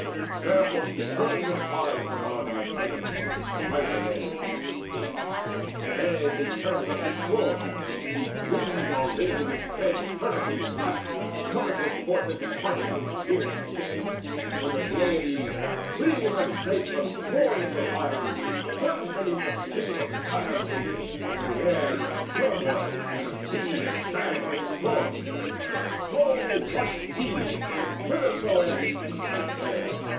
Therefore she turned aside from Argive men The might of Aias. As a terrible storm, Whose wings are laden with dread hurricane blasts, Cometh with portents of heart numbing fear To shipmen, when the Pleiads, fleeing adread From glorious Orion, plunge beneath The stream of tireless Ocean, when the air Is turmoil, and the sea is mad with storm; So rushed he, whithersoe'er his feet might bear.